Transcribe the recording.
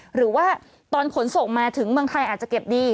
หรือว่าตอนขนส่งมาถึงเมืองไทยอาจจะเก็บดี